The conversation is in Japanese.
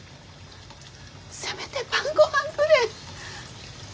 せめて晩ごはんくれえ。